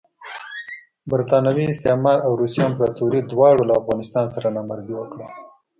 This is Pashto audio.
برټانوي استعمار او روسي امپراطوري دواړو له افغانستان سره نامردي وکړه.